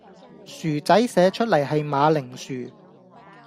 薯仔寫出來係馬鈴薯